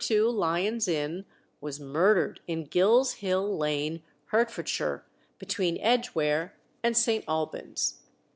2 Lyon's Inn, was murdered in Gill's Hill Lane, Hertfordshire, between Edgware and St. Alban's.